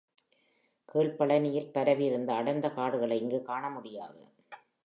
கீழ்ப்பழனியில் பரவியுள்ள அடர்ந்த காடுகளை இங்குக் காணமுடியாது.